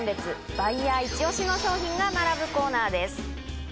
バイヤーいち押しの商品が並ぶコーナーです。